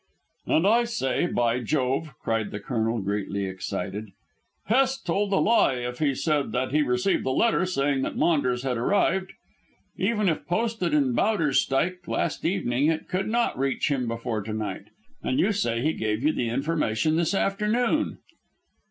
"And I say, by jove!" cried the Colonel greatly excited, "Hest told a lie if he said that he received a letter saying that Maunders had arrived. Even if posted in Bowderstyke last evening it could not reach him before to night, and you say he gave you the information this afternoon?"